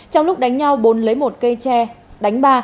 trong lúc đánh nhau bốn lấy một cây tre đánh ba